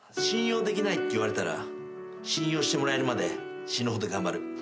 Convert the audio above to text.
信用できないって言われたら信用してもらえるまで死ぬほど頑張る。